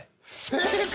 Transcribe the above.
正解！